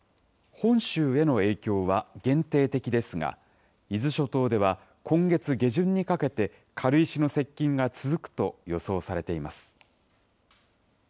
本州への影響は限定的ですが、伊豆諸島では今月下旬にかけて、軽石の接近が続くと予想されています。